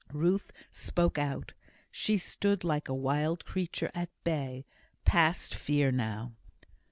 Ruth spoke out. She stood like a wild creature at bay, past fear now.